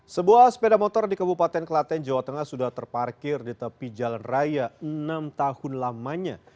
sebuah sepeda motor di kabupaten kelaten jawa tengah sudah terparkir di tepi jalan raya enam tahun lamanya